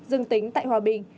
dừng tính tại hòa bình